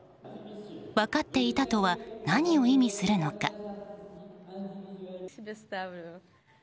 分かっていたとは何を意味するのか。